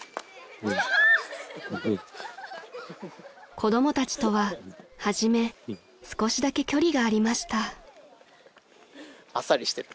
［子供たちとは初め少しだけ距離がありました］